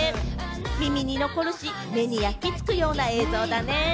耳に残るし、目に焼き付くような映像だね。